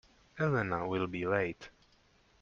Elena will be late.